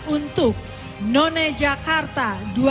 untuk none jakarta